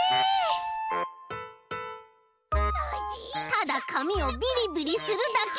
ただかみをビリビリするだけ。